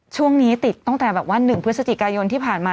ช่วงนี้ติดตั้งแต่แบบว่า๑พฤศจิกายนที่ผ่านมา